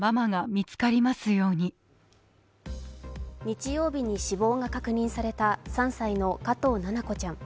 日曜日に死亡が確認された３歳の加藤七菜子ちゃん